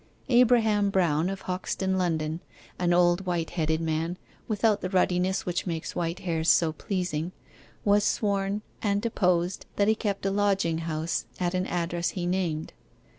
Abraham Brown, of Hoxton, London an old white headed man, without the ruddiness which makes white hairs so pleasing was sworn, and deposed that he kept a lodging house at an address he named.